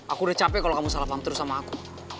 aku udah capek kalau kamu salah paham terus sama aku